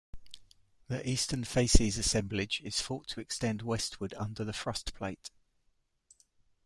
The eastern facies assemblage is thought to extend westward under the thrust plate.